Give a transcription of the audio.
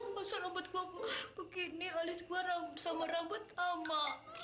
masa rambut gua begini alis gua sama rambut ama